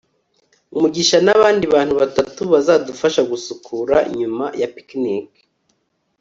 mugisha nabandi bantu batatu bazadufasha gusukura nyuma ya picnic